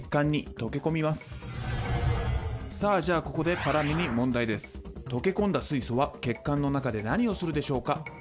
溶け込んだ水素は血管の中で何をするでしょうか？